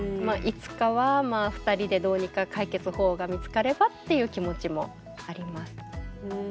いつかは２人でどうにか解決法が見つかればっていう気持ちもあります。